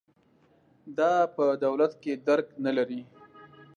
دا په دولت کې درک نه لري.